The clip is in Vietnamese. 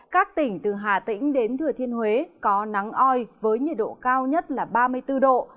các tỉnh từ hà tĩnh đến thừa thiên huế có nắng oi với nhiệt độ cao nhất là ba mươi bốn độ